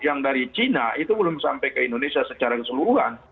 yang dari cina itu belum sampai ke indonesia secara keseluruhan